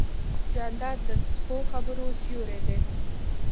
جانداد د ښو خبرو سیوری دی.